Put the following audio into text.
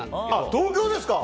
東京ですか？